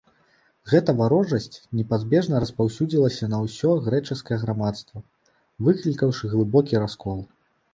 Гэта варожасць непазбежна распаўсюдзілася на ўсё грэчаскае грамадства, выклікаўшы глыбокі раскол.